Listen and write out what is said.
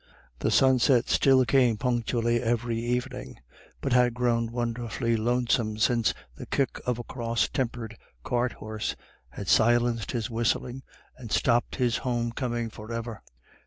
The sunset still came punctually every evening, but had grown wonderfully lonesome since the kick of a cross tempered cart horse had silenced his whistling and stopped his home coming for ever.